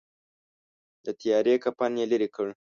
د تیارې کفن یې لیري کړ.